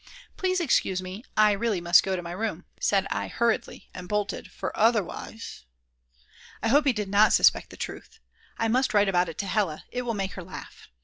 Please excuse me, I really must go to my room," said I hurriedly, and bolted, for otherwise !! I hope he did not suspect the truth. I must write about it to Hella, it will make her laugh.